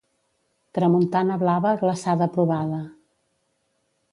Tramuntana blava, glaçada provada.